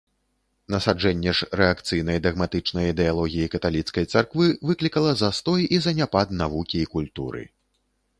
Насаджэнне ж рэакцыйнай дагматычнай ідэалогіі каталіцкай царквы выклікала застой і заняпад навукі і культуры.